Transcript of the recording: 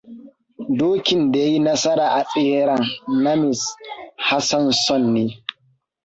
Dokin da ya yi nasara a tseren na Mr. Hassanson ne.